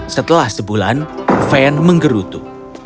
setelah sebulan fen menggerutu